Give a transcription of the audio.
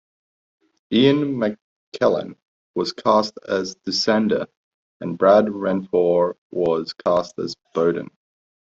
Ian McKellen was cast as Dussander, and Brad Renfro was cast as Bowden.